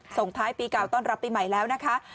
ส่งท้ายปีเก่าต้อนรับปีใหม่แล้วนะคะ